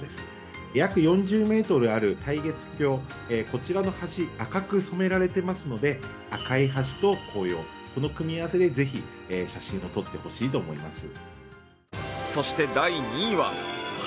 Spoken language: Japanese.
こちらの橋赤く染められていますので赤い橋と紅葉、この組み合わせで写真を撮ってほしいと思います。